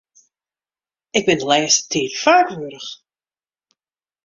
Ik bin de lêste tiid faak warch.